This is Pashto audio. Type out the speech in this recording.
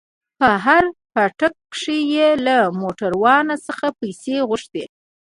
په هر پاټک کښې يې له موټروان څخه پيسې غوښتې.